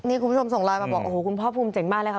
นี่คุณผู้ชมส่งไลน์มาบอกโอ้โหคุณพ่อภูมิเจ๋งมากเลยค่ะ